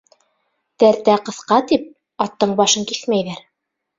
Тәртә ҡыҫҡа тип, аттың башын киҫмәйҙәр.